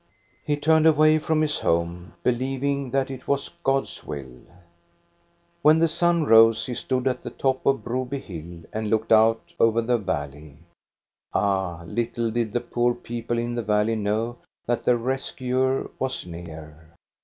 He turned away from his home, believing that it i God's will. 344 THE STORY OF GO ST A BERLING When the sun rose he stood at the top of Broby hill and looked out over the valley. Ah, little did the poor people in the valley know that their res cuer was near.